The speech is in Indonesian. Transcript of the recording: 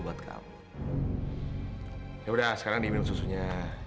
buat kamu ya udah sekarang diminum susunya